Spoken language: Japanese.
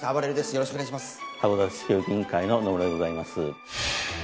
よろしくお願いします。